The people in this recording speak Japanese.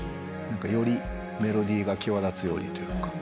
よりメロディーが際立つようにというか。